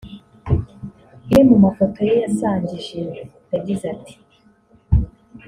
Imwe mu mafoto ye yasangije yagize ati